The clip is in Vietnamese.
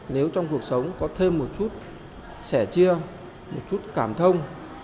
nếu trong cuộc sống có thêm một chút sẻ chia một chút cảm thông